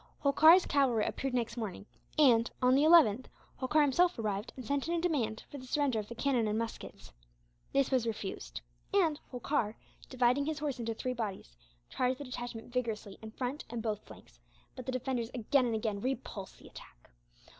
Holkar's cavalry appeared next morning and, on the 11th, Holkar himself arrived and sent in a demand for the surrender of the cannon and muskets. This was refused, and Holkar, dividing his horse into three bodies, charged the detachment vigorously in front and both flanks; but the defenders again and again repulsed the attack.